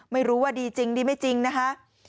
ไม่รู้ว่าดีจริงดีไม่จริงนะคะ